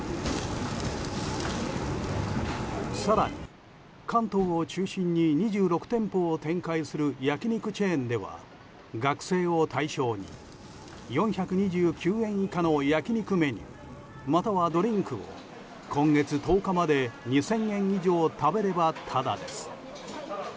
更に関東を中心に２６店舗を展開する焼き肉チェーンでは学生を対象に４２９円以下の焼き肉メニューまたは、ドリンクを今月１０日まで２０００円以上食べればタダです。